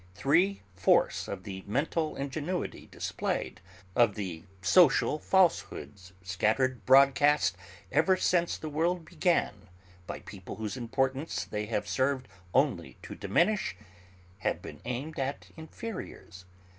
Three fourths of the mental ingenuity displayed, of the social falsehoods scattered broadcast ever since the world began by people whose importance they have served only to diminish, have been aimed at inferiors.